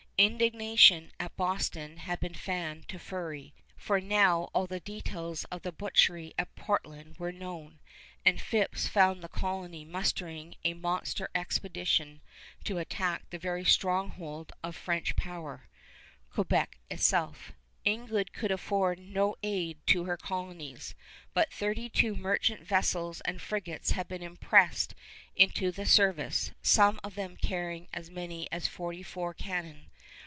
Indignation at Boston had been fanned to fury, for now all the details of the butchery at Portland were known; and Phips found the colony mustering a monster expedition to attack the very stronghold of French power, Quebec itself. England could afford no aid to her colonies, but thirty two merchant vessels and frigates had been impressed into the service, some of them carrying as many as forty four cannon.